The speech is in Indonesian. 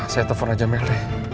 saya telepon aja mel